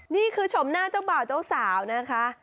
ชมหน้าเจ้าบ่าวเจ้าสาวนะคะ